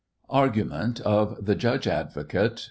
ARGUMENT OF THE JUDGE ADVOCATE.